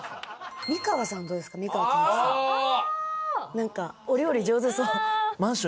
何かお料理上手そう。